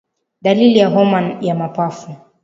Dalili ya homa ya mapafu